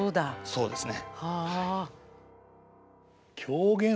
そうですね。